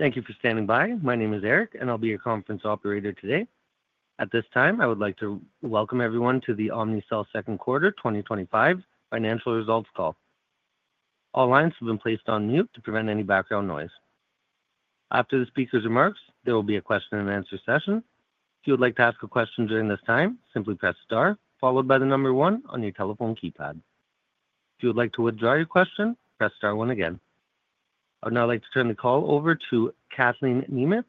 Thank you for standing by. My name is Eric and I'll be your conference operator today. At this time, I would like to welcome everyone to the Omnicell second quarter 2025 financial results call. All lines have been placed on mute to prevent any background noise. After the speaker's remarks, there will be a question and answer session. If you would like to ask a question during this time, simply press star followed by the number one on your telephone keypad. If you would like to withdraw your question, press star one again. I would now like to turn the call over to Kathleen Nemeth,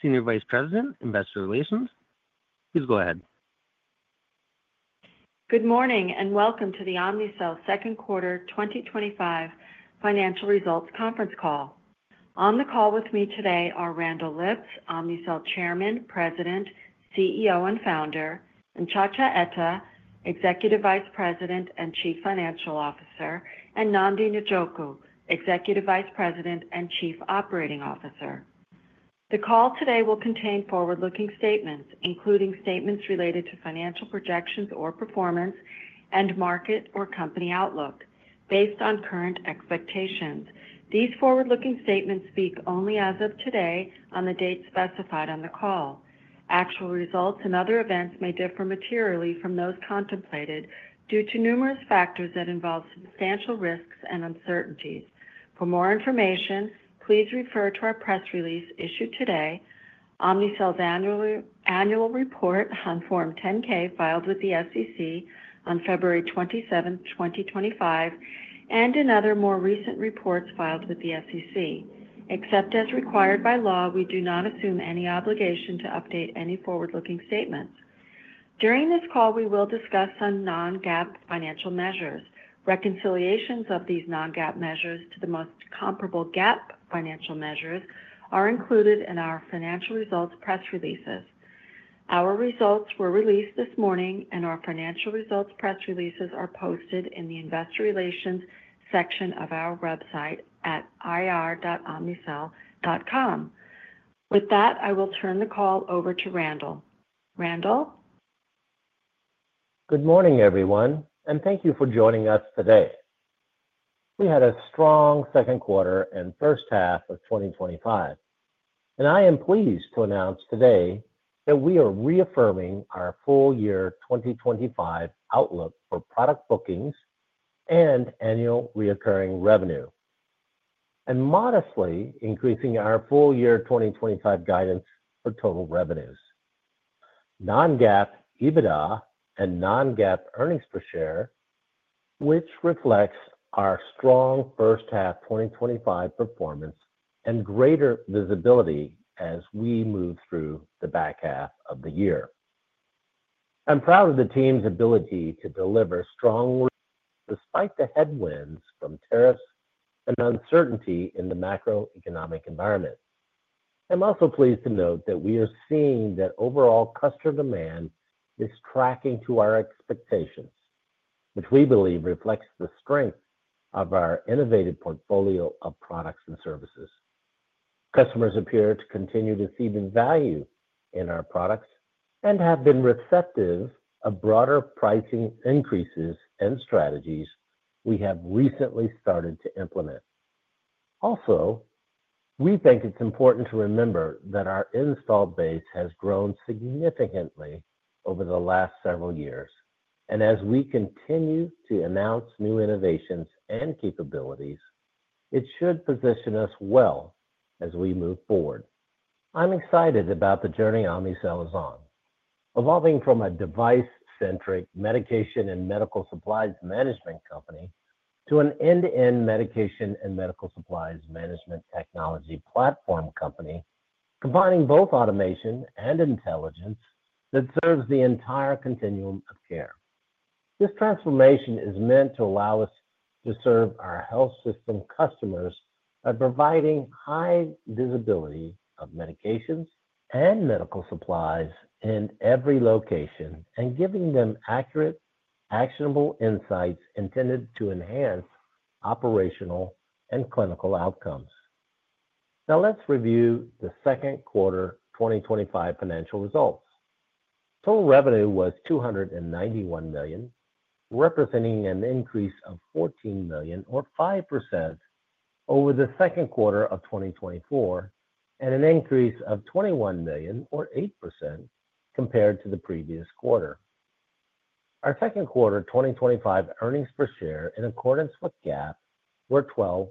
Senior Vice President, Investor Relations. Please go ahead. Good morning and welcome to the Omnicell second quarter 2025 financial results conference call. On the call with me today are Randall Lipps, Omnicell Chairman, President, CEO and Founder, and Nchacha Etta, Executive Vice President and Chief Financial Officer, and Nnamdi Njoku, Executive Vice President and Chief Operating Officer. The call today will contain forward looking statements including statements related to financial projections or performance and market or company outlook based on current expectations. These forward looking statements speak only as of today on the date specified on the call. Actual results and other events may differ materially from those contemplated due to numerous factors that involve substantial risks and uncertainties. For more information, please refer to our press release issued today, Omnicell's Annual Report on Form 10-K filed with the SEC on February 27, 2025, and in other more recent reports filed with the SEC. Except as required by law, we do not assume any obligation to update any forward looking statements. During this call, we will discuss some non-GAAP financial measures. Reconciliations of these non-GAAP measures to the most comparable GAAP financial measures are included in our financial results press releases. Our results were released this morning and our financial results press releases are posted in the Investor Relations section of our website at ir.omnicell.com. With that, I will turn the call over to Randall. Good. Morning everyone and thank you for joining us today. We had a strong second quarter and first half of 2025, and I am pleased to announce today that we are reaffirming our full year 2025 outlook for product bookings and annual recurring revenue and modestly increasing our full year 2025 guidance for total revenues, non-GAAP EBITDA, and non-GAAP earnings per share, which reflects our strong first half 2025 performance and greater visibility as we move through the back half of the year. I'm proud of the team's ability to deliver strong results despite the headwinds from tariffs and uncertainty in the macroeconomic environment. I'm also pleased to note that we are seeing that overall customer demand is tracking to our expectations, which we believe reflects the strength of our innovative portfolio of products and services. Customers appear to continue to see the value in our products and have been receptive of broader pricing increases and strategies we have recently started to implement. Also, we think it's important to remember that our install base has grown significantly over the last several years, and as we continue to announce new innovations and capabilities, it should position us well as we move forward. I'm excited about the journey Omnicell is on, evolving from a device-centric medication and medical supplies management company to an end-to-end medication and medical supplies management technology platform company, combining both automation and intelligence that serves the entire continuum of care. This transformation is meant to allow us to serve our health system customers by providing high visibility of medications and medical supplies in every location and giving them accurate, actionable insights intended to enhance operational and clinical outcomes. Now let's review the second quarter 2025 financial results. Total revenue was $291 million, representing an increase of $14 million or 5% over the second quarter of 2024 and an increase of $21 million or 8% compared to the previous quarter. Our second quarter 2025 earnings per share in accordance with GAAP were $0.12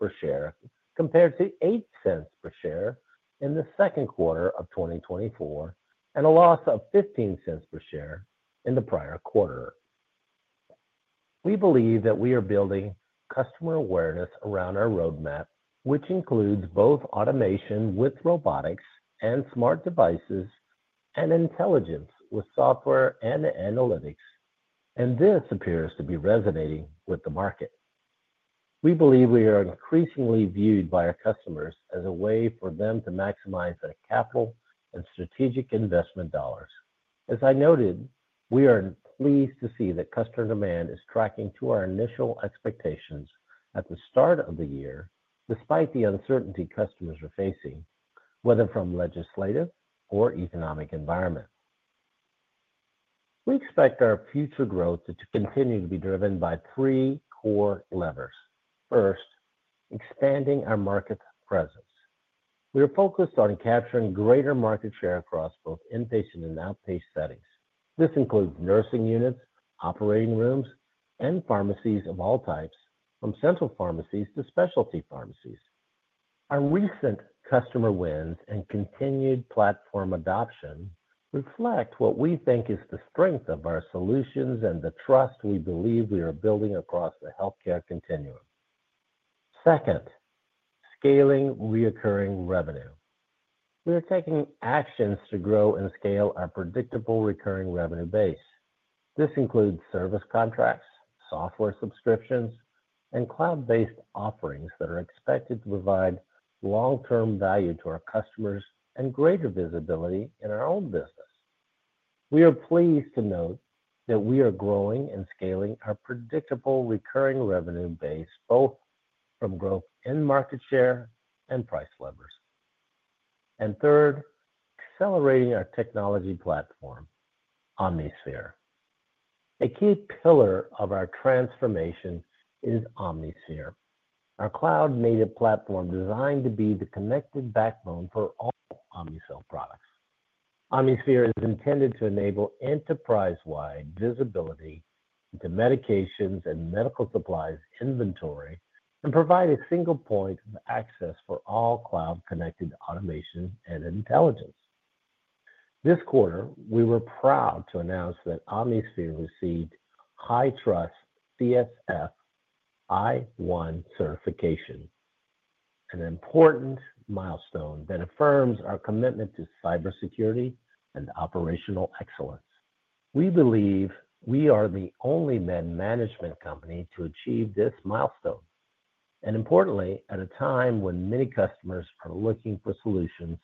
per share compared to $0.08 per share in the second quarter of 2024 and a loss of $0.15 per share in the prior quarter. We believe that we are building customer awareness around our roadmap, which includes both automation with robotics and smart devices and intelligence with software and analytics, and this appears to be resonating with the market. We believe we are increasingly viewed by our customers as a way for them to maximize their capital and strategic investment dollars. As I noted, we are pleased to see that customer demand is tracking to our initial expectations at the start of the year, despite the uncertainty customers are facing, whether from legislative or economic environment. We expect. Our future growth to continue to be driven by three core levers. First, expanding our market presence. We are focused on capturing greater market share across both inpatient and outpatient settings. This includes nursing units, operating rooms, and pharmacies of all types, from central pharmacies to specialty pharmacies. Our recent customer wins and continued platform adoption reflect what we think is the strength of our solutions and the trust we believe we are building across the healthcare continuum. Second, scaling recurring revenue. We are taking actions to grow and scale our predictable recurring revenue base. This includes service contracts, software, subscriptions, and cloud-based offerings that are expected to provide long-term value to our customers and greater visibility in our own business. We are pleased to note that we are growing and scaling our predictable recurring revenue base both from growth in market share and price levers. Third, accelerating our technology platform, Omnisphere. A key pillar of our transformation is Omnisphere, our cloud-native platform designed to be the connected backbone for all Omnicell products. Omnisphere is intended to enable enterprise-wide visibility into medications and medical supplies inventory and provide a single point of access for all cloud-connected automation and intelligence. This quarter, we were proud to announce that Omnisphere received HITRUST CSF i1 certification, an important milestone that affirms our commitment to cybersecurity and operational excellence. We believe we are the only med management company to achieve this milestone and, importantly, at a time when many customers are looking for solutions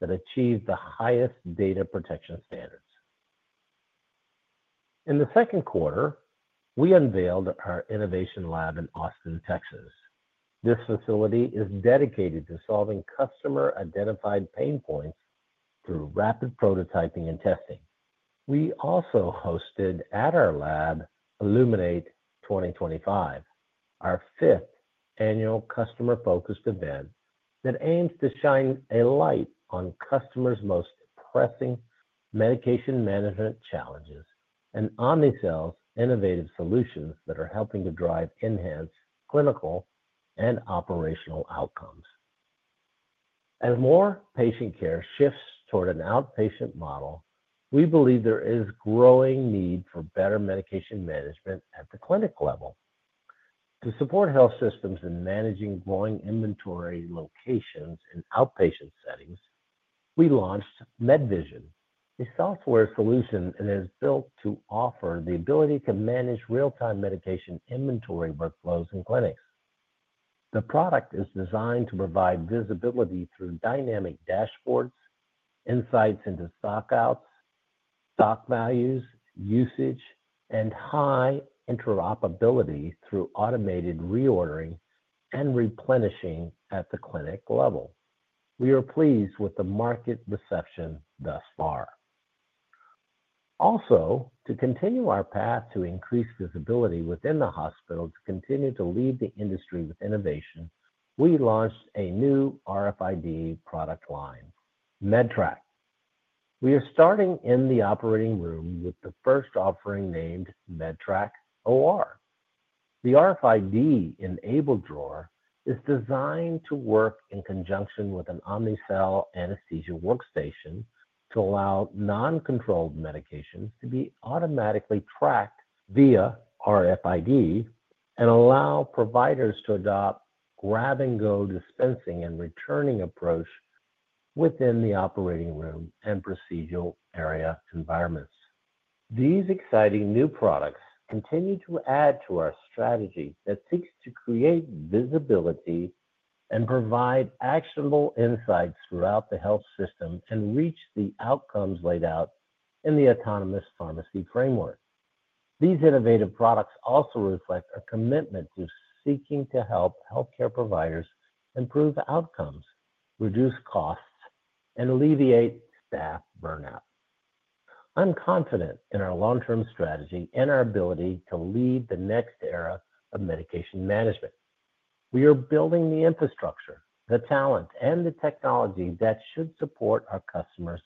that achieve the highest data protection standards. In the second quarter, we unveiled our Innovation Lab in Austin, Texas. This facility is dedicated to solving customer-identified pain points through rapid prototyping and testing. We also hosted at our lab Elluminate 2025, our fifth annual customer-focused event that aims to shine a light on customers' most pressing medication management challenges and Omnicell innovative solutions that are helping to drive enhanced clinical and operational outcomes. As more patient care shifts toward an outpatient model, we believe there is growing need for better medication management at the clinic level. To support health systems in managing growing inventory locations in outpatient settings, we launched MedVision, a software solution that is built to offer the ability to manage real-time medication inventory workflows in clinics. The product is designed to provide visibility through dynamic dashboards, insights into stockouts, stock values, usage, and high interoperability through automated reordering and replenishing. At the clinic level, we are pleased with the market reception thus far. Also, to continue our path to increase visibility within the hospital to continue to lead the industry with innovation, we launched a new RFID product line, MedTrack. We are starting in the operating room with the first offering named MedTrack, or the RFID Enabled Drawer, which is designed to work in conjunction with an Omnicell anesthesia workstation to allow non-controlled medications to be automatically tracked via RFID and allow providers to adopt a grab-and-go dispensing and returning approach within the operating room and procedural area environments. These exciting new products continue to add to our strategy that seeks to create new visibility and provide actionable insights throughout the health system and reach the outcomes laid out in the autonomous pharmacy framework. These innovative products also reflect our commitment to seeking to help healthcare providers improve outcomes, reduce costs, and alleviate staff burnout. I'm confident in our long-term strategy and our ability to lead the next era of medication management. We are building the infrastructure, the talent, and the technology that should support our customers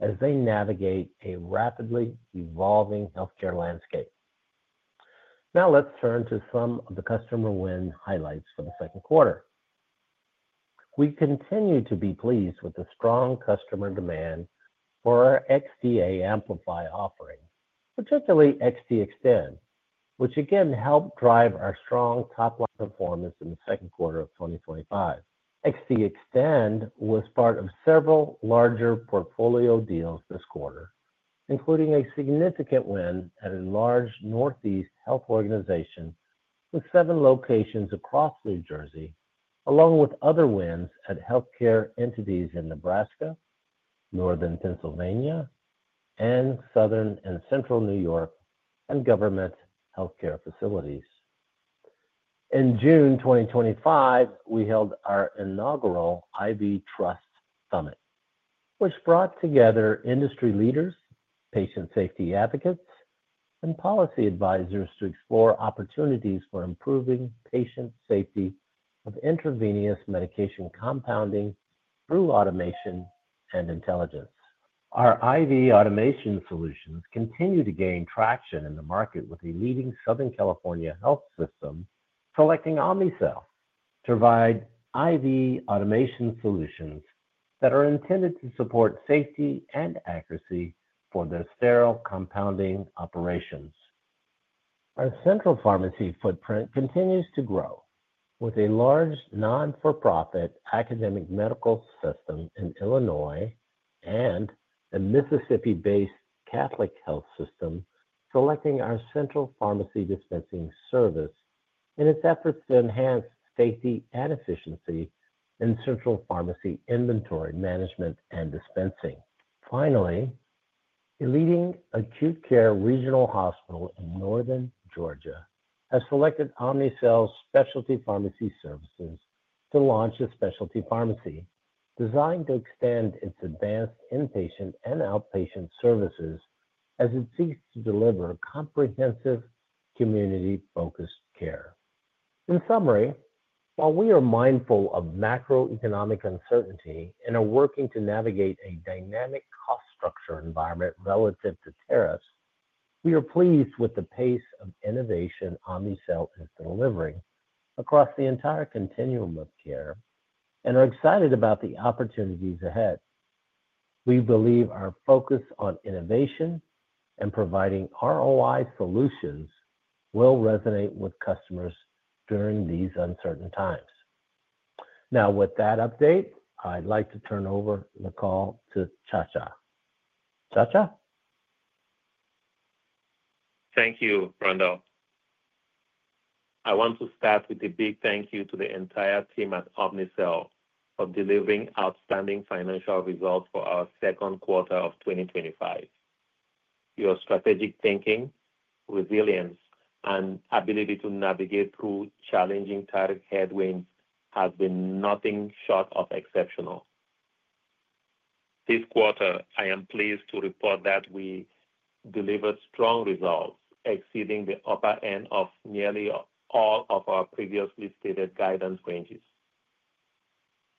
as they navigate a rapidly evolving healthcare landscape. Now let's turn to some of the customer win highlights for the second quarter. We continue to be pleased with the strong customer demand for our XT Amplify offering, particularly XT Extend, which again helped drive our strong top-line performance in the second quarter of 2025. XT Extend was part of several larger portfolio deals this quarter, including a significant win at a large Northeast health organization with seven locations across New Jersey, along with other wins at healthcare entities in Nebraska, northern Pennsylvania, and southern and central New York and government healthcare facilities. In June 2025, we held our inaugural IV Trust Summit, which brought together industry leaders, patient safety advocates, and policy advisors to explore opportunities for improving patient safety with intravenous medication compounding through automation and intelligence. Our IV automation solutions continue to gain traction in the market, with a leading Southern California health system selecting Omnicell to provide IV automation solutions that are intended to support safety and accuracy for their sterile compounding operations. Our central pharmacy footprint continues to grow, with a large not-for-profit academic medical system in Illinois and a Mississippi-based Catholic health system selecting our central pharmacy dispensing service in its efforts to enhance safety and efficiency in central pharmacy inventory management and dispensing. Finally, a leading acute care regional hospital in Northern Georgia has selected Omnicell Specialty Pharmacy Services to launch a specialty pharmacy designed to extend its advanced inpatient and outpatient services as it seeks to deliver comprehensive, community-focused care. In summary, while we are mindful of macroeconomic uncertainty and are working to navigate a dynamic climate cost structure environment relative to tariffs, we are pleased with the pace of innovation Omnicell is delivering across the entire continuum of care and are excited about the opportunities ahead. We believe our focus on innovation and providing ROI solutions will resonate with customers during these uncertain times. Now, with that update, I'd like to turn over the call to Nchacha. Chacha, thank you, Randell. I want to start with a big thank you to the entire team at Omnicell for delivering outstanding financial results for our second quarter of 2025. Your strategic thinking, resilience, and ability to navigate through challenging target headwinds has been nothing short of exceptional this quarter. I am pleased to report that we delivered strong results, exceeding the upper end of nearly all of our previously stated guidance ranges.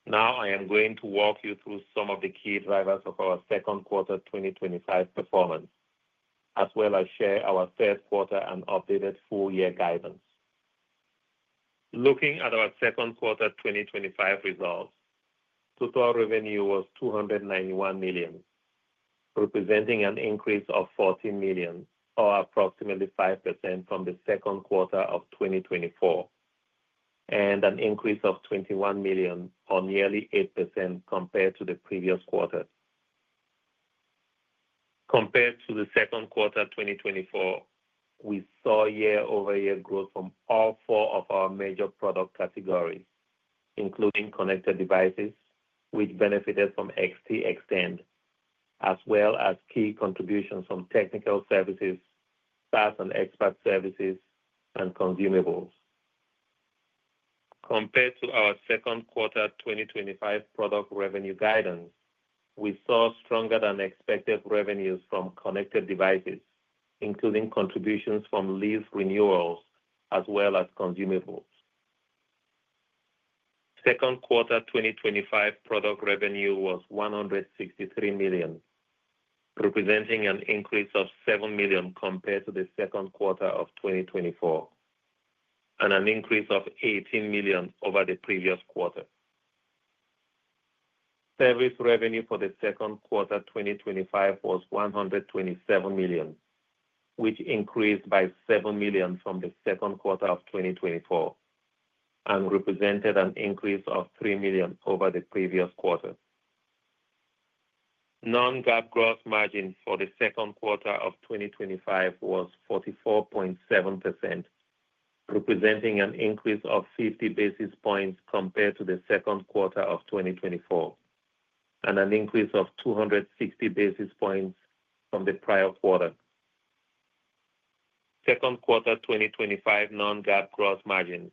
Now I am going to walk you through some of the key drivers of our second quarter 2025 performance as well as share our third quarter and updated full year guidance. Looking at our second quarter 2025 results, total revenue was $291 million, representing an increase of $14 million or approximately 5% from the second quarter of 2024 and an increase of $21 million or nearly 8% compared to the previous quarter. Compared to the second quarter 2024, we saw year-over-year growth from all four of our major product categories, including connected devices which benefited from XT Extend, as well as key contributions from technical services, SaaS and expert services, and consumables. Compared to our second quarter 2025 product revenue guidance, we saw stronger than expected revenues from connected devices, including contributions from lease renewals as well as consumables. Second quarter 2025 product revenue was $163 million, representing an increase of $7 million compared to the second quarter of 2024 and an increase of $18 million over the previous quarter. Service revenue for the second quarter 2025 was $127 million, which increased by $7 million from the second quarter of 2024 and represented an increase of $3 million over the previous quarter. Non-GAAP gross margin for the second quarter of 2025 was 44.7%, representing an increase of 50 basis points compared to the second quarter of 2024 and an increase of 260 basis points from the prior quarter. Second quarter 2025 non-GAAP gross margin,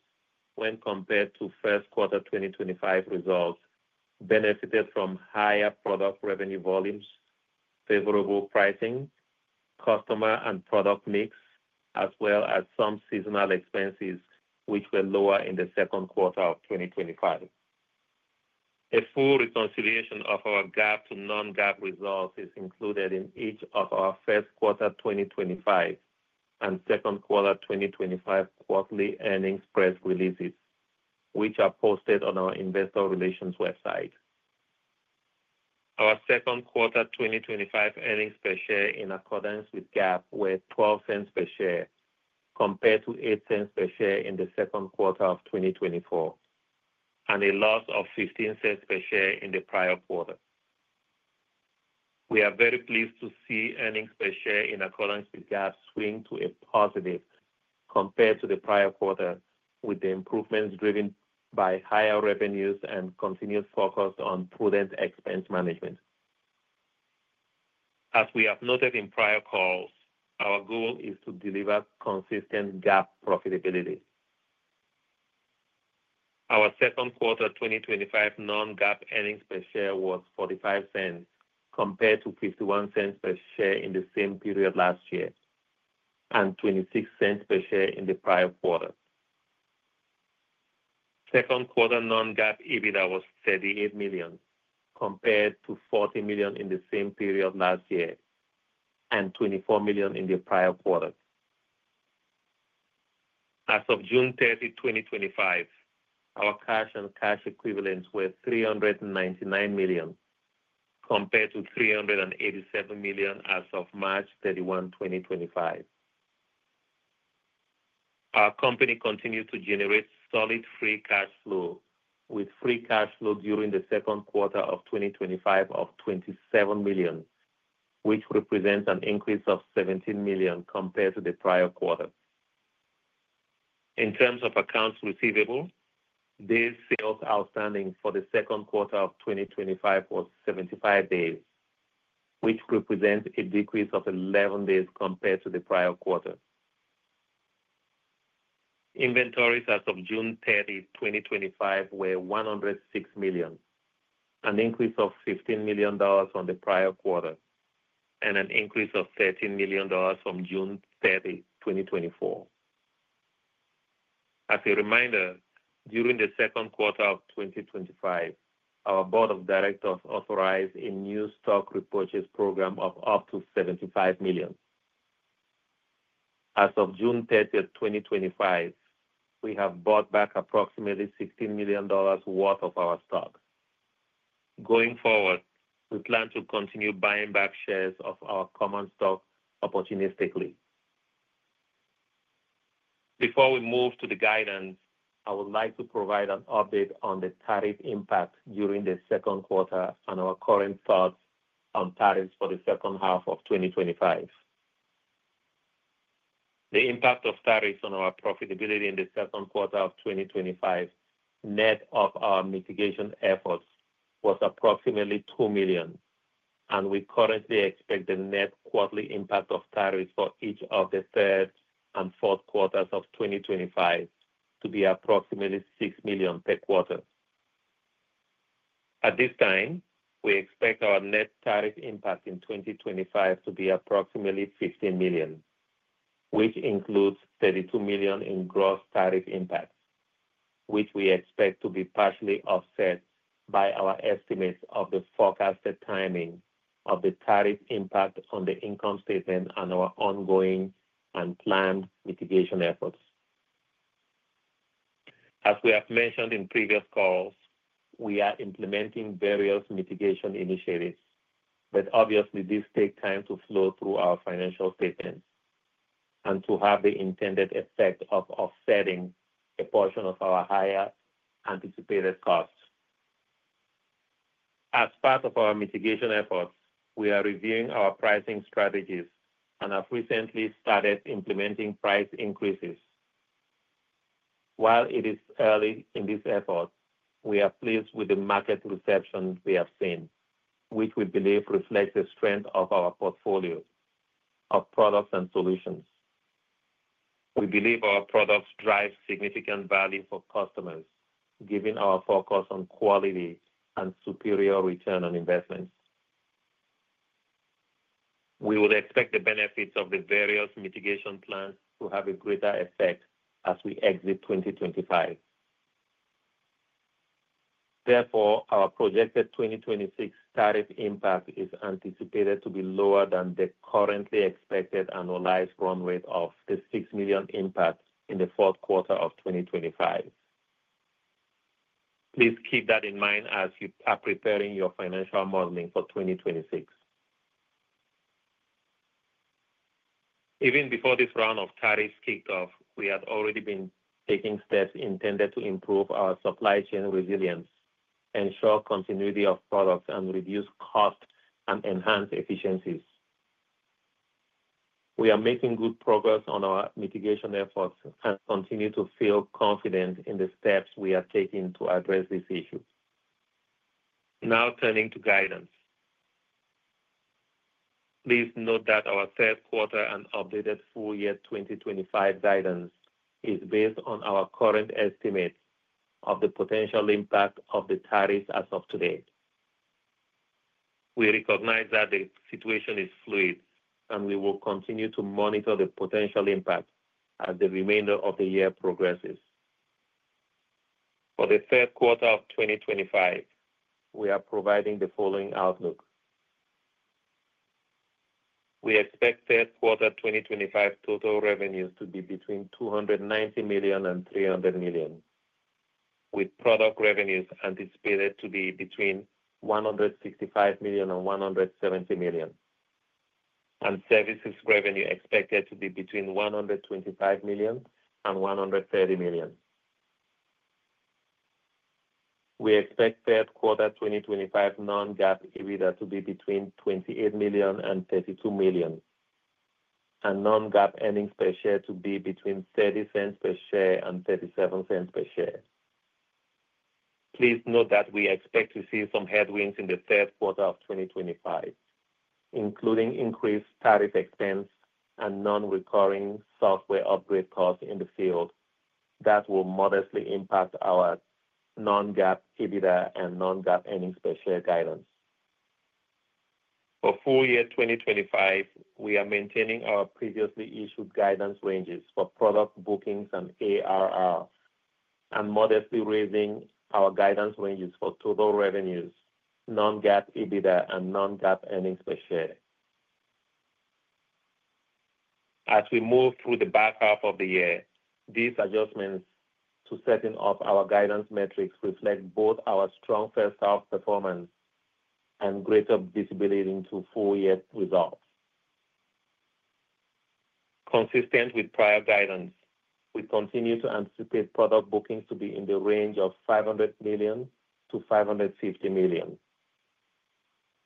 when compared to first quarter 2025 results, benefited from higher product revenue volumes, favorable pricing, customer and product mix, as well as some seasonal expenses which were lower in the second quarter of 2025. A full reconciliation of our GAAP to non-GAAP results is included in each of our first quarter 2025 and second quarter 2025 quarterly earnings press releases, which are posted on our investor relations website. Our second quarter 2025 earnings per share in accordance with GAAP were $0.12 per share compared to $0.08 per share in the second quarter of 2024 and a loss of $0.15 per share in the prior quarter. We are very pleased to see earnings per share in accordance with GAAP swing to a positive compared to the prior quarter, with the improvements driven by higher revenues and continued focus on prudent expense management. As we have noted in prior calls, our goal is to deliver consistent GAAP profitability. Our second quarter 2025 non-GAAP earnings per share was $0.45 compared to $0.51 per share in the same period last year and $0.26 per share in the prior quarter. Second quarter non-GAAP EBITDA was $38 million compared to $40 million in the same period last year and $24 million in the prior quarter. As of June 30, 2025, our cash and cash equivalents were $399 million compared to $387 million as of March 31, 2025. Our company continues to generate solid free cash flow, with free cash flow during the second quarter of 2025 of $27 million, which represents an increase of $17 million compared to the prior quarter. In terms of accounts receivable, days sales outstanding for the second quarter of 2025 was 75 days, which represents a decrease of 11 days compared to the prior quarter. Inventories as of June 30, 2025 were $106 million, an increase of $15 million from the prior quarter and an increase of $13 million from June 30, 2024. As a reminder, during the second quarter of 2025, our Board of Directors authorized a new stock repurchase program of up to $75 million. As of June 30, 2025, we have bought back approximately $16 million worth of our stock. Going forward, we plan to continue buying back shares of our common stock opportunistically. Before we move to the guidance, I would like to provide an update on the tariff impact during the second quarter and our current thoughts on tariffs for the second half of 2025. The impact of tariffs on our profitability in the second quarter of 2025, net of our mitigation efforts, was approximately $2 million, and we currently expect the net quarterly impact of tariffs for each of the third and fourth quarters of 2025 to be approximately $6 million per quarter. At this time, we expect our net tariff impact in 2025 to be approximately $15 million, which includes $32 million in gross tariff impact, which we expect to be partially offset by our estimates of the forecasted timing of the tariff impact on the income statement and our ongoing and planned mitigation efforts. As we have mentioned in previous calls, we are implementing various mitigation initiatives, but obviously this takes time to flow through our financial statements and to have the intended effect of offsetting a portion of our higher anticipated cost. As part of our mitigation effort, we are reviewing our pricing strategies and have recently started implementing price increases. While it is early in this effort, we are pleased with the market reception we have seen, which we believe reflects the strength of our portfolio of products and solutions. We believe our products drive significant value for customers. Given our focus on quality and superior return on investment, we will expect the benefits of the various mitigation plans to have a greater effect as we exit 2025. Therefore, our projected 2026 tariff impact is anticipated to be lower than the currently expected annualized run rate of the $6 million impact in the fourth quarter of 2025. Please keep that in mind as you are preparing your financial modeling for 2026. Even before this round of tariffs kicked off, we had already been taking steps intended to improve our supply chain resilience, ensure continuity of product and reduce cost and enhance efficiencies. We are making good progress on our mitigation efforts and continue to feel confident in the steps we are taking to address this issue. Now turning to guidance, please note that our third quarter and updated full year 2025 guidance is based on our current estimate of the potential impact of the tariffs as of today. We recognize that the situation is fluid and we will continue to monitor the potential impact as the remainder of the year progress. For the third quarter of 2025, we are providing the following outlook. We expect third quarter 2025 total revenues to be between $290 million and $300 million, with product revenues anticipated to be between $165 million and $170 million and services revenue expected to be between $125 million and $130 million. We expect third quarter 2025 non-GAAP EBITDA to be between $28 million and $32 million and non-GAAP earnings per share to be between $0.30 per share and $0.37 per share. Please note that we expect to see some headwinds in the third quarter of 2025, including increased tariff expenses and non-recurring software upgrade costs in the field that will modestly impact our non-GAAP EBITDA and non-GAAP earnings per share guidance. For full year 2025, we are maintaining our previously issued guidance ranges for product bookings and ARR and modestly raising our guidance ranges for total revenues, non-GAAP EBITDA, and non-GAAP earnings per share as we move through the back half of the year. These adjustments to setting up our guidance metrics reflect both our strong first half performance and greater visibility into full year results. Consistent with prior guidance, we continue to anticipate product bookings to be in the range of $500 million-$550 million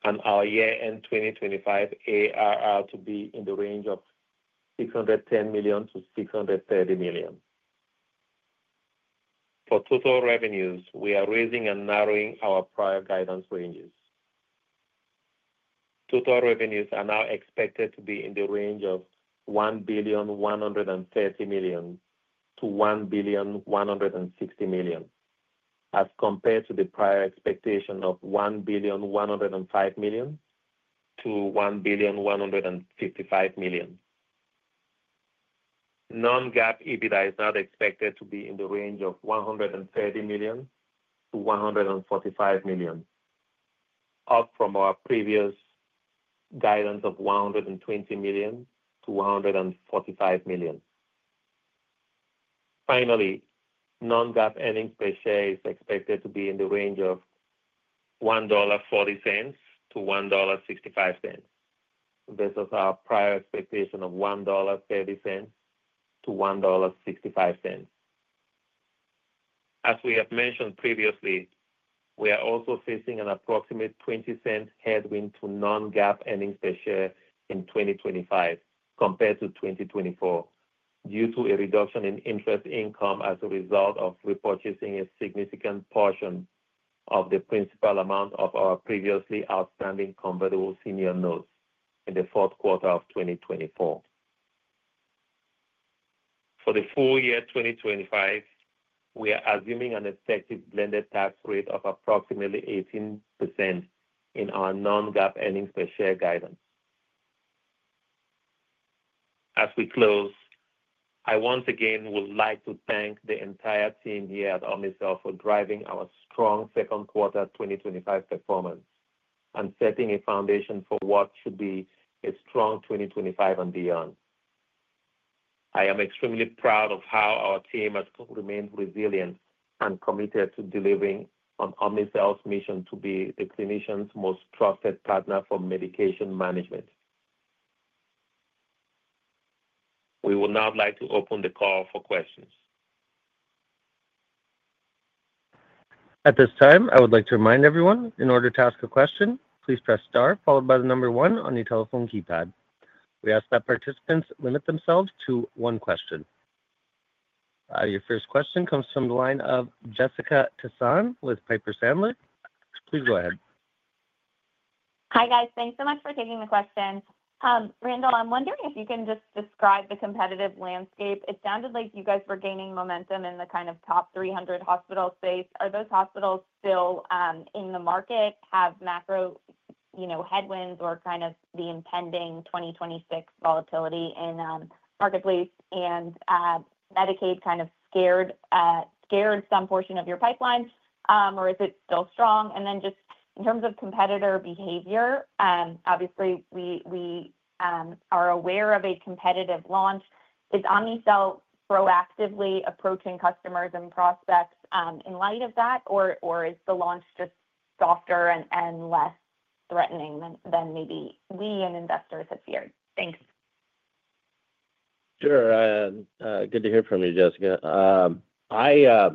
and our year-end 2025 ARR to be in the range of $610 million-$630 million. For total revenues, we are raising and narrowing our prior guidance ranges. Total revenues are now expected to be in the range of $1.130 billion-$1.160 billion as compared to the prior expectation of $1.105 billion-$1.155 billion. Non-GAAP EBITDA is now expected to be in the range of $130 million-$145 million, up from our previous guidance of $120 million-$145 million. Finally, non-GAAP earnings per share is expected to be in the range of $1.40-$1.65 versus our prior expectation of $1.30-$1.65. As we have mentioned previously, we are also facing an approximate $0.20 headwind to non-GAAP earnings per share in 2025 compared to 2024 due to a reduction in interest income as a result of repurchasing a significant portion of the principal amount of our previously outstanding convertible Senior Notes in the fourth quarter of 2024. For the full year 2025, we are assuming an effective blended tax rate of approximately 18% in our non-GAAP earnings per share guidance. As we close, I once again would like to thank the entire team here at Omnicell for driving our strong second quarter 2025 performance and setting a foundation for what should be a strong 2025 and beyond. I am extremely proud of how our team has remained resilient and committed to delivering on Omnicell's mission to be the clinician's most trusted partner for medication management. We would now like to open the call for questions. At this time, I would like to remind everyone in order to ask a question, please press star followed by the number one on your telephone keypad. We ask that participants limit themselves to one question. Your first question comes from the line of Jessica Tassan with Piper Sandler. Please go ahead. Hi guys. Thanks so much for taking the question. Randall, I'm wondering if you can just describe the competitive landscape. It sounded like you guys were gaining momentum in the kind of top 300 hospital space. Are those hospitals still in the market, have macro headwinds or kind of the impending 2026 volatility in marketplace and Medicaid kind of scared some portion of your pipeline, or is it still strong? In terms of competitor behavior, obviously we are aware of a competitive launch. Is Omnicell proactively approaching customers and prospects in light of that, or is the launch just softer and less threatening than maybe we and investors have feared? Thanks. Sure, good to hear from you, Jessica. I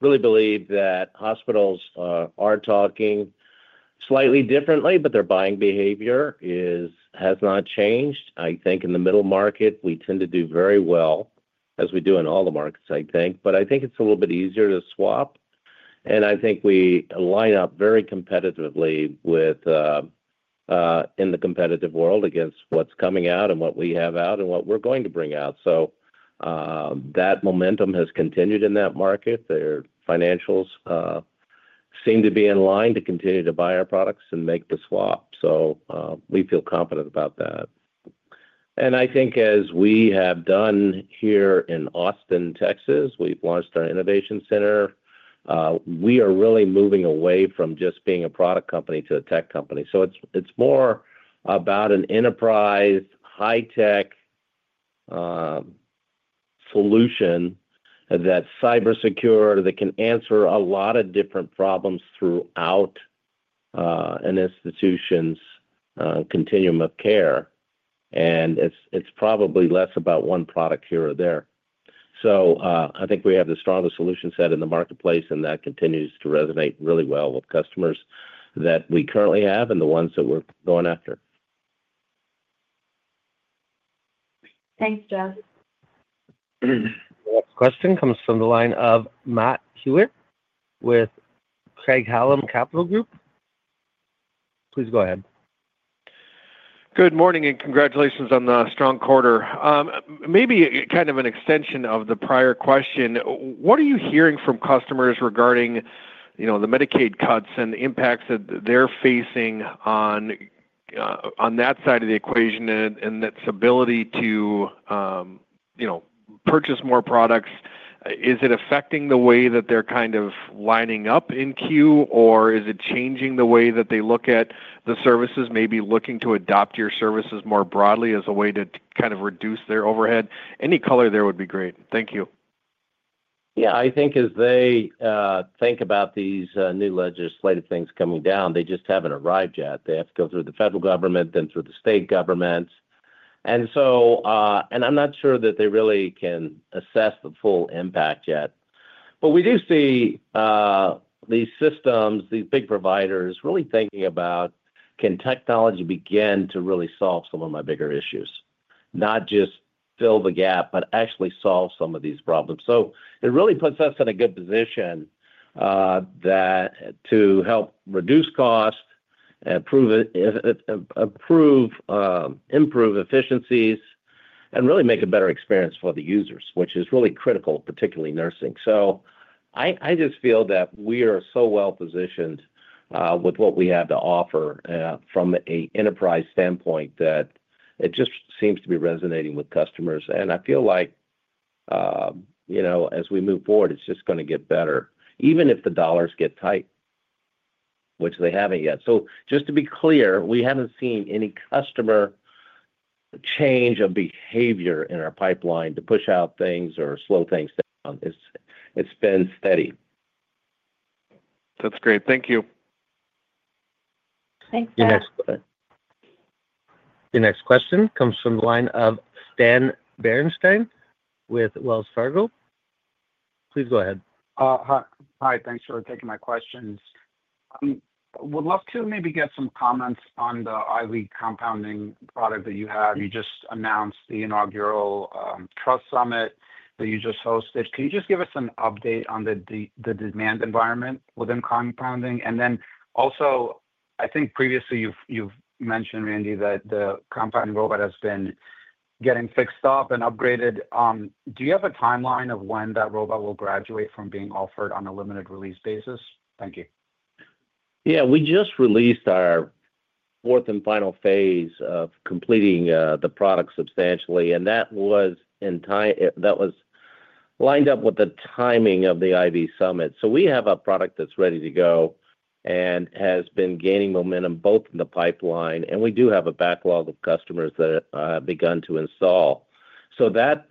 really believe that hospitals are talking slightly differently, but their buying behavior has not changed. I think in the middle market we tend to do very well, as we do in all the markets, I think, but I think it's a little bit easier to swap. I think we line up very competitively in the competitive world against what's coming out and what we have out and what we're going to bring out. That momentum has continued in that market. Their financials seem to be in line to continue to buy our products and make the swap. We feel confident about that. As we have done here in Austin, Texas, we've launched our innovation center. We are really moving away from just being a product company to a tech company. It's more about an enterprise high tech. Solution. That's cybersecurity. That can answer a lot of different problems throughout an institution's continuum of care. It is probably less about one product here or there. I think we have the strongest solution set in the marketplace, and that continues to resonate really well with customers that we currently have and the ones that we're going after. Thanks, sir. Question comes from the line of Matt Hewitt with Craig-Hallum Capital Group. Please go ahead. Good morning and congratulations on the strong quarter. Maybe kind of an extension of the prior. What are you hearing from customers regarding the Medicaid cuts and the impacts that they're facing on that side of the equation and its ability to purchase more products? Is it affecting the way that they're kind of lining up in queue, or is it changing the way that they look at the services? Maybe looking to adopt your services more broadly as a way to kind of reduce their overhead, any color there would be great. Thank you. Yeah, I think as they think about these new legislative things coming down, they just haven't arrived yet. They have to go through the federal government, then through the state government, and I'm not sure that they really can assess the full impact yet. We do see these systems, these big providers, really thinking about can technology begin to really solve some of my bigger issues, not just fill the gap, but actually solve some of these problems. It really puts us in a. Good position. To help reduce cost, improve efficiencies, and really make a better experience for the users, which is really critical, particularly nursing. I just feel that we are so well positioned with what we have to offer from an enterprise standpoint that it just seems to be resonating with customers. I feel like, as we move forward, it's just going to get better, even if the dollars get tight, which they haven't yet. Just to be clear, we haven't seen any customer change of behavior in our pipeline to push out things or slow things down. It's been steady. That's great. Thank you. Thank you. The next question comes from the line of Stan Berenshteyn with Wells Fargo. Please go ahead. Hi, thanks for taking my questions. Would love to maybe get some comments on the IV automation solutions that you have. You just announced the inaugural Trust Summit. That you just hosted. Can you just give us an update on the demand environment within compounding? I think previously you've mentioned, Randy, that the compounding robot has been getting fixed up and upgraded. Do you have a timeline of when that robot will graduate from being offered on a limited release basis? Thank you. Yeah, we just released our fourth and final phase of completing the product substantially, and that was entire. That was lined up with the timing of the IV summit. We have a product that's ready to go and has been gaining momentum both in the pipeline, and we do have a backlog of customers that begun to install so that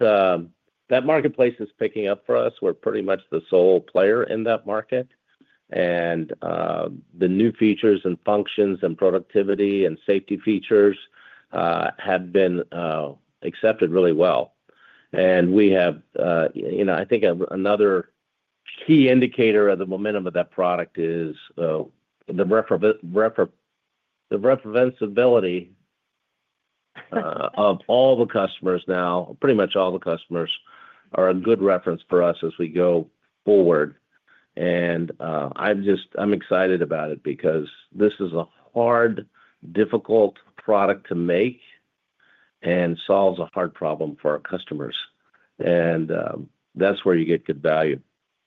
marketplace is picking up for us. We're pretty much the sole player in that market. The new features and functions and productivity and safety features have been accepted really well. I think another key indicator of the momentum of that product is the reference ability of all the customers. Now pretty much all the customers are a good reference for us as we go forward. I'm excited about it because this is a hard, difficult product to make and solves a hard problem for our customers. That's where you get good value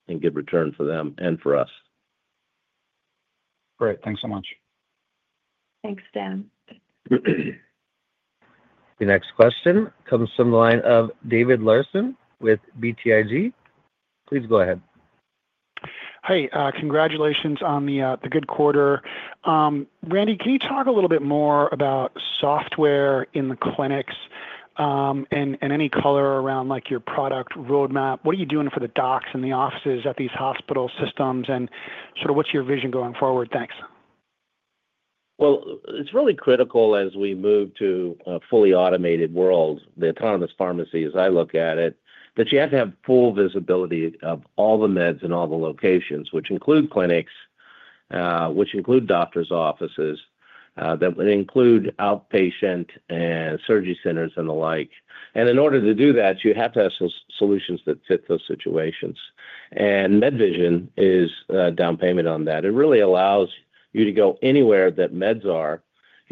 and good return for them and for us. Great, thanks so much. Thanks, Stan. The next question comes from the line of David Larsen with BTIG. Please go ahead. Hey, congratulations on the good quarter. Randy, can you talk a little bit more about software in the clinics and any color around, like your product roadmap? What are you doing for the docs and the offices at these hospital systems and sort of what's your vision going forward? Thanks. It is really critical as we move. To a fully automated world, the autonomous pharmacy, as I look at it, you have to have full visibility of all the meds and all the locations, which include clinics, which include doctor's offices, that include outpatient and surgery centers and the like. In order to do that, you have to have some solutions that fit those situations. MedVision is down payment on that. It really allows you to go anywhere that meds are.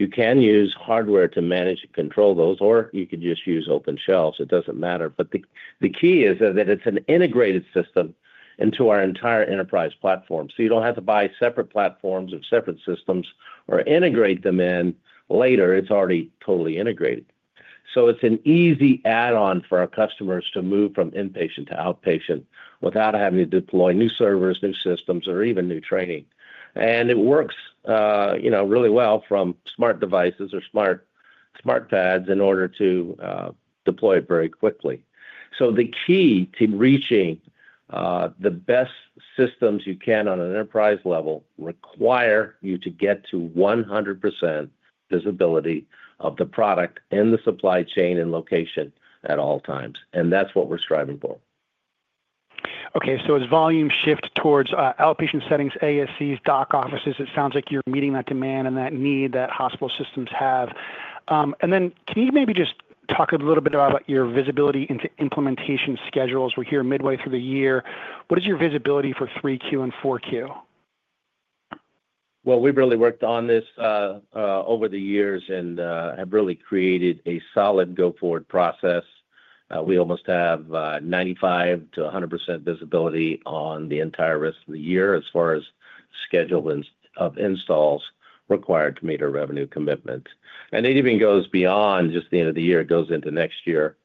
You can use hardware to manage and. Control those, or you could just use. Open shelves, it doesn't matter. The key is that it's an. Integrated system into our entire enterprise platform. You don't have to buy separate platforms and separate systems or integrate them in later. It's already totally integrated, so it's an. Easy add-on for our customers too. Move from inpatient to outpatient without having to deploy new servers, new systems, or even new training. It works really well from smart devices or smart pads in order to deploy it very quickly. The key to reaching the best. Systems you can on an enterprise level require you to get to 100% visibility of the product and the supply chain and location at all times. That's what we're striving for. Okay, as volume shifts towards outpatient settings, ASCs, DOC offices, it sounds like you're meeting that demand and that need that hospital systems have. Can you maybe just talk a little bit about your visibility into implementation schedules? We're here midway through the year. What is your visibility for 3Q and 4Q? We've really worked on this over the years and have really created a solid go forward process. We almost have 95% to 100% visibility on the entire rest of the year as far as schedule and of installs required to meet our revenue commitments. It even goes beyond just the end of the year, it goes into next year.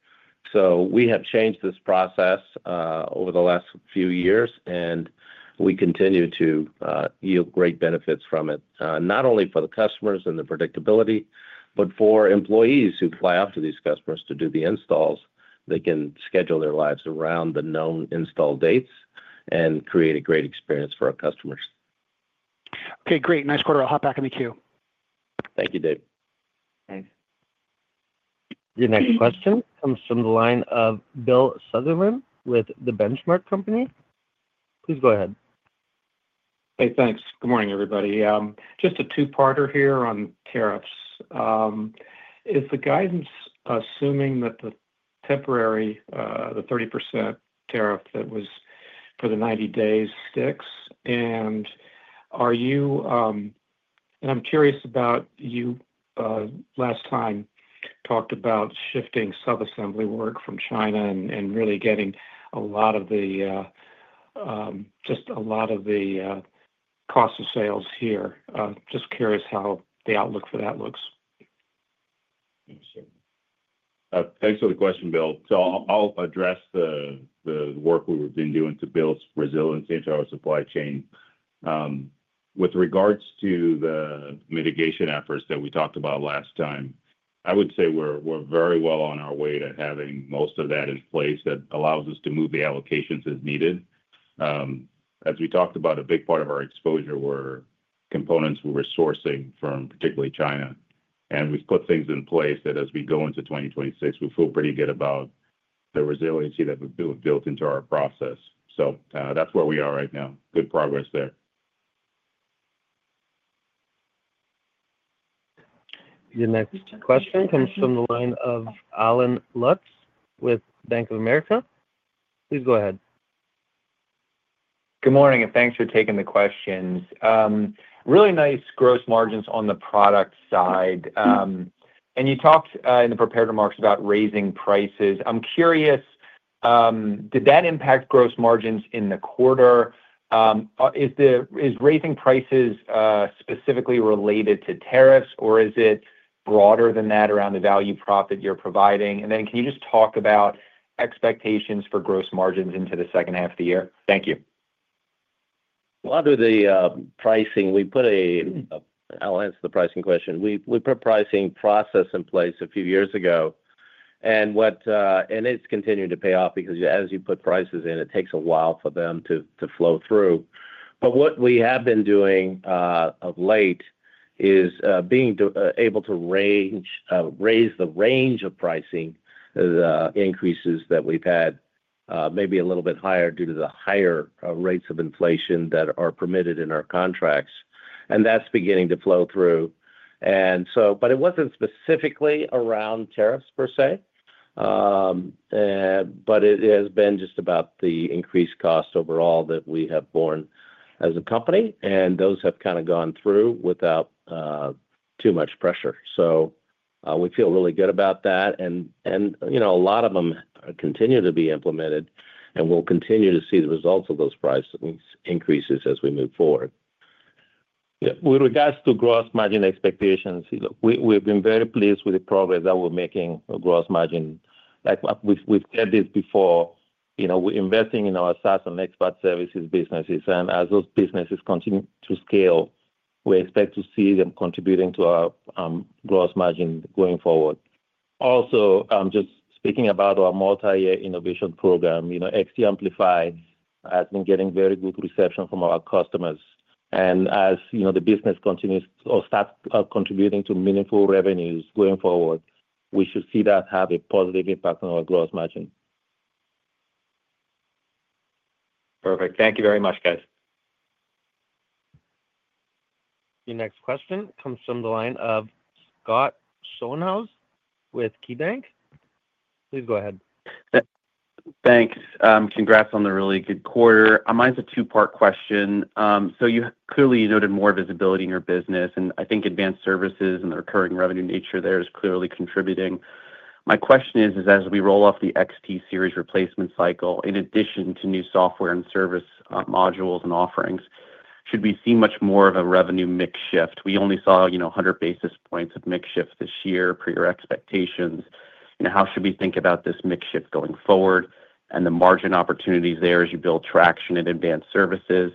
We have changed this process over the last few years and we continue to yield great benefits from it, not only for the customers and the predictability, but for employees who fly out to these customers to do the installs. They can schedule their lives around the known install dates and create a great experience for our customers. Okay, great. Nice quarter. I'll hop back in the queue. Thank you, Dave. Thanks. Your next question comes from the line of Bill Sutherland with The Benchmark Company. Please go ahead. Hey, thanks. Good morning everybody. Just a two-parter here on tariffs. Is the guidance assuming that the temporary, the 30% tariff that was for the 90 days sticks? I'm curious about you last time talked about shifting sub-assembly work from China and really getting a lot of the, just a lot of the cost of sales here. Just curious how the outlook for that looks. Thanks for the question, Bill. I'll address the work we've been doing to build resilience into our supply chain with regards to the mitigation efforts that we talked about last time. I would say we're very well on our way to having most of that in place. That allows us to move the allocations as needed. As we talked about, a big part of our exposure were components we were sourcing from, particularly China. We've put things in place that as we go into 2026, we feel pretty good about the resiliency that we've built into our process. That's where we are right now. Good progress there. The next question comes from the line of Allen Lutz with Bank of America.Please go ahead. Good morning and thanks for taking the questions. Really nice gross margins on the product side. You talked in the prepared remarks about raising prices. I'm curious, did that impact gross margins in the quarter? Is raising prices specifically related to tariffs, or is it broader than that around the value prop that you're providing? Can you just talk about expectations for gross margins into the second. Half of the year? Thank you. On the pricing, we put a pricing process in place a few years ago. It's continuing to pay off because as you put prices in, it takes a while for them to flow through. What we have been doing of late is being able to raise the range of pricing. The increases that we've had may be a little bit higher due to the higher rates of inflation that are permitted in our contracts, and that's beginning to flow through. It wasn't specifically around. Tariffs per se. It has been just about the increased cost overall that we have borne as a company, and those have kind of gone through without too much pressure. We feel really good about that, and a lot of them continue to be implemented. We'll continue to see the results of those price increases as we move forward. Yeah, with regards to gross margin expectations, we've been very pleased with the progress that we're making. Gross margin, like we've said this before, you know, we're investing in our SaaS and expert services businesses, and as those businesses continue to scale, we expect to see them contributing to our gross margin going forward. Also, just speaking about our multi-year innovation program, you know, XT Amplify has been getting very good reception from our customers, and as you know, the business continues or starts contributing to meaningful revenues going forward, we should see that have a positive impact on our gross margin. Perfect. Thank you very much, guys. Your next question comes from the line of Scott Schoenhaus with KeyBanc. Please go ahead. Thanks. Congrats on the really good quarter, mine's a two part question. You clearly noted more visibility in your business, and I think advanced services and the recurring revenue nature there is clearly contributing. My question is, as we roll off. The XT series replacement cycle, in addition to new software and service modules and offerings, should we see much more of a revenue mix shift? We only saw, you know, 100 basis points of mix shift this year per your expectations. How should we think about this mix shift going forward and the margin opportunities there as you build traction in advanced services?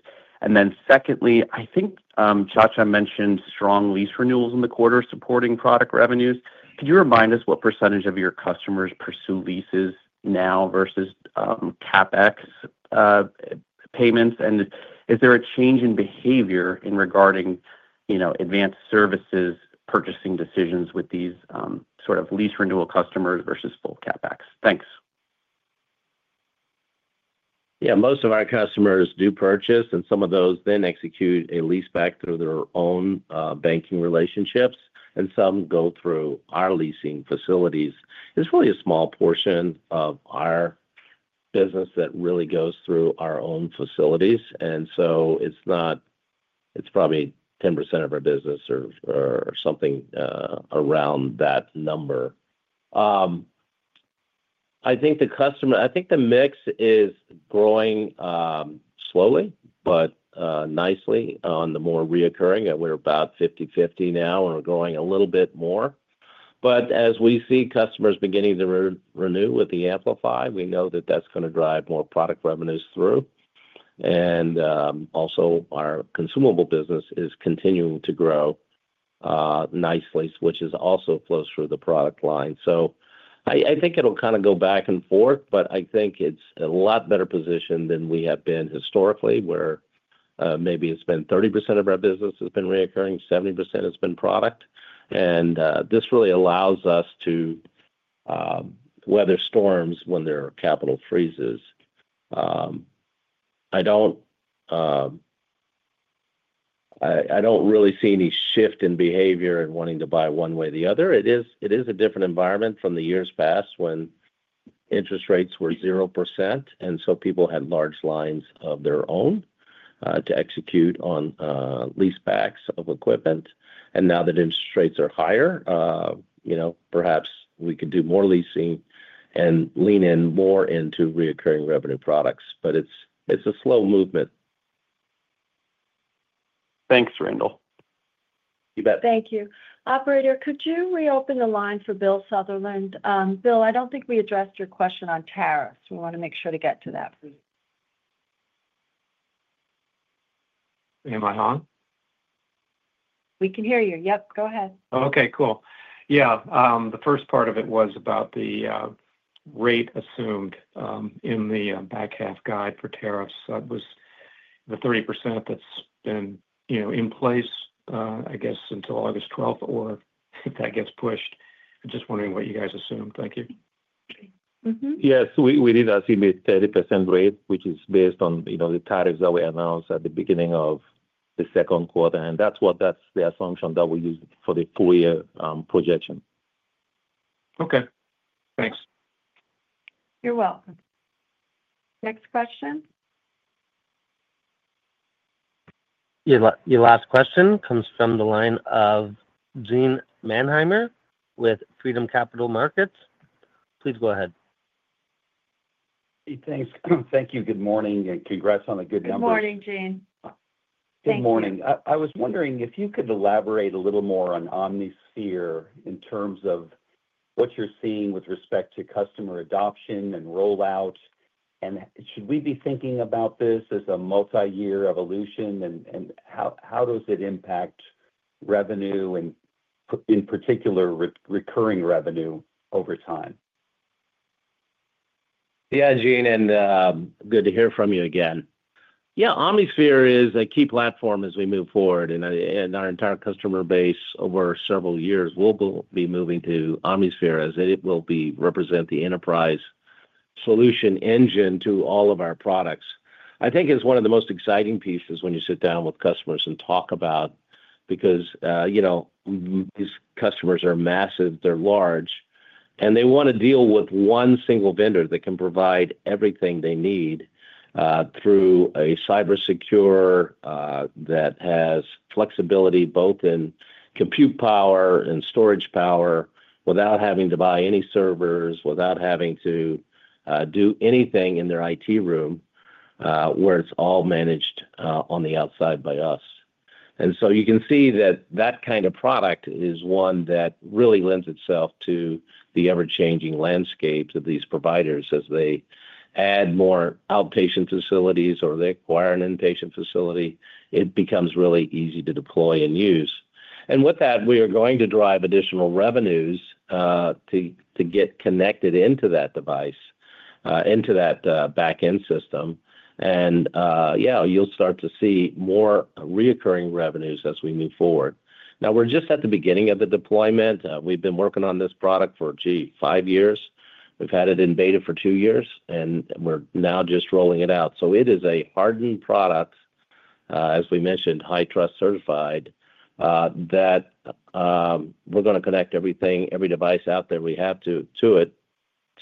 Secondly, I think Nchacha mentioned strong lease renewals in the quarter supporting product revenues. Could you remind us what percentage of your customers pursue leases now versus CapEx payments, and is there a change in behavior regarding, you know, advanced services purchasing decisions with these sort of lease renewal customers versus full CapEx? Thanks. Yeah, most of our customers do purchase and some of those then execute a lease back through their own banking relationships, and some go through our leasing facilities. This is probably a small portion of our business that really goes through our own facilities. It's probably 10% of our business or something around that number. I think the mix is growing slowly but nicely. On the more recurring, we're about 50/50 now, and we're going a little bit more. As we see customers beginning to renew with the Amplify, we know that that's going to drive more product revenues through. Also, our consumable business is continuing to grow nicely, which also flows through the product line. I think it'll kind of go back and forth, but I think it's a lot better position than we have been historically, where maybe it's been 30% of our business has been recurring, 70% has been product. This really allows us to weather storms when there are capital freezes. I don't. I don't really see any shift in behavior in wanting to buy one way or the other. It is a different environment from years past when interest rates were 0% and people had large lines of their own to execute on lease packs of equipment. Now that interest rates are higher, you know, perhaps we could do more leasing and lean in more into recurring revenue products. It's a slow movement. Thanks, Randall. You bet. Thank you. Operator, could you reopen the line for Bill Sutherland? Bill, I don't think we addressed your question on tariffs. We want to make sure to get to that. We can hear you. Go ahead. Okay, cool. Yeah, the first part of it was about the rate assumed in the back half guide for tariffs. That was the 30% that's been in place, I guess, until August 12th or if that gets pushed. I'm just wondering what you guys assume. Thank you. Yes, we did assume a 30% rate, which is based on the tariffs that we announced at the beginning of the second quarter. That's the assumption that we use for the full year projection. Okay, thanks. You're welcome. Next question. Your last question comes from the line of Gene Mannheimer with Freedom Capital Markets. Please go ahead. Thanks. Thank you. Good morning. Congrats on a good number. Good morning, Gene. Good morning. I was wondering if you could elaborate a little more on Omnisphere in terms of what you're seeing with respect to customer adoption and rollout, and should we be thinking about this as a multi-year evolution, and how does it impact revenue and in particular recurring revenue over time? Yeah, Gene, good to hear from you again. Yeah, Omnisphere is a key platform as we move forward, and our entire customer base over several years will be moving to Omnisphere as it will represent the enterprise solution engine to all of our products. I think it's one of the most. Exciting pieces when you sit down with. Customers talk about it because, you know, these customers are massive, they're large, and they want to deal with one single vendor that can provide everything they need through a cybersecurity that has flexibility both in compute power and storage power without having to buy any servers, without having to do anything in their IT room where it's all managed on the outside by us. You can see that that kind of product is one that really lends itself to the ever-changing landscape of these providers. As they add more outpatient facilities or they acquire an inpatient facility, it becomes really easy to deploy and use. With that, we are going to drive additional revenues to get connected into that device, into that backend system. You'll start to see more recurring revenues as we move forward. Now we're just at the beginning of the deployment. We've been working on this product for, gee, five years. We've had it in beta for two years, and we're now just rolling it out. It is a hardened product, as we mentioned, HITRUST certified, that we're going to connect everything, every device out there, we have to it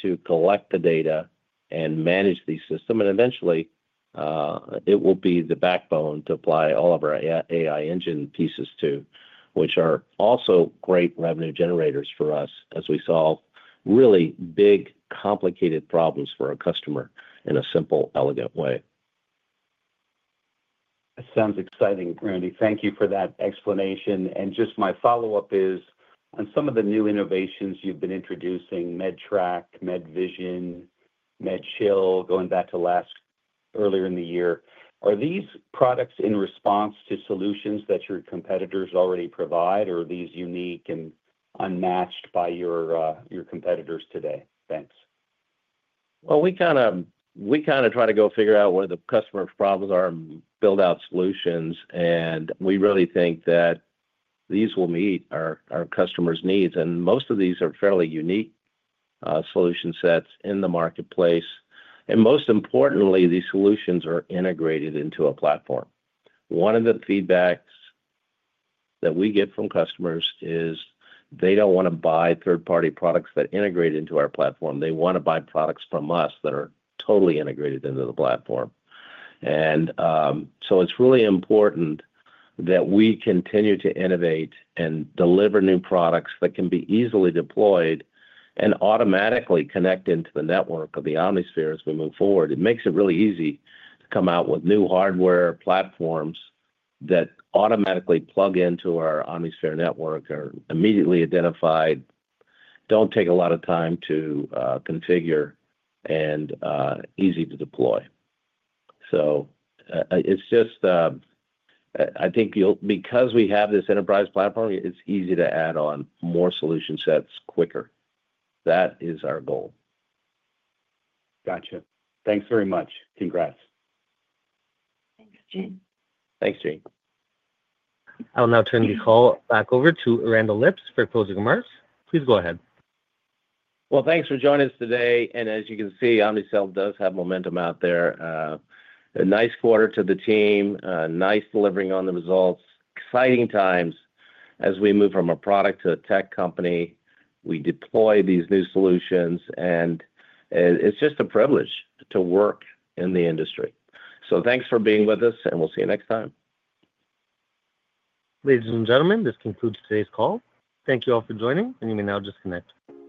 to collect the data and manage the system. Eventually, it will be the backbone to apply all of our AI engine pieces to, which are also great revenue generators for us as we solve really big, complicated problems for our customer in a simple, elegant way. Sounds exciting, Randy. Thank you for that explanation. My follow up is on some of the new innovations you've been introducing. MedTrack, MedVision, MedChill, going back to earlier in the year. Are these products in response to solutions that your competitors already provide, or are these unique and unmatched by your competitors today? Thanks. We try to go figure out where the customer's problems are and build out solutions, and we really think that these will meet our customers' needs. Most of these are fairly unique solution sets in the marketplace. Most importantly, these solutions are integrated into a platform. One of the feedback that we get from customers is they don't want to buy third party products that integrate into our platform. They want to buy products from us that are totally integrated into the platform. It's really important that we continue to innovate and deliver new products that can be easily deployed and automatically connect into the network of the Omnisphere. As we move forward, it makes it really easy to come out with new hardware. Platforms that automatically plug into our Omnisphere network are immediately identified, don't take a lot of time to configure, and are easy to deploy. I think you'll see that because we have this enterprise platform, it's easy to add on more solution sets quicker. That is our goal. Gotcha. Thanks very much. Congrats. Thanks Gene. Thanks Gene. I will now turn the call back. Over to Randall Lipps for closing remarks. Please go ahead. Thanks for joining us today. As you can see, Omnicell does have momentum out there. A nice quarter to the team, nice delivering on the results. Exciting times as we move from a product to a tech company. We deploy these new solutions and it's just a privilege to work in the industry. Thanks for being with us and we'll see you next time. Ladies and gentlemen, this concludes today's call. Thank you all for joining, and you may now disconnect.